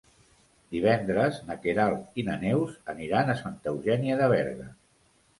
Divendres na Queralt i na Neus aniran a Santa Eugènia de Berga.